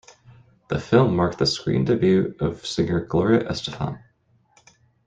The film marked the screen debut of singer Gloria Estefan.